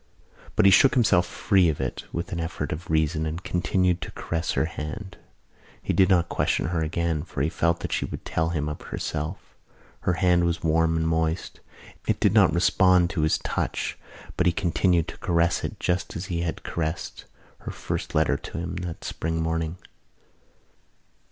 But he shook himself free of it with an effort of reason and continued to caress her hand. He did not question her again for he felt that she would tell him of herself. Her hand was warm and moist: it did not respond to his touch but he continued to caress it just as he had caressed her first letter to him that spring morning.